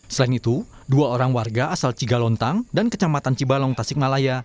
selain itu dua orang warga asal cigalontang dan kecamatan cibalong tasikmalaya